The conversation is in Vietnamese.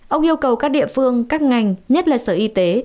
ông yêu cầu các địa phương các ngành nhất là sở y tế